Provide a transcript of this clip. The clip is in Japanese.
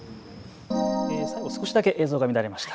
最後少しだけ映像が乱れました。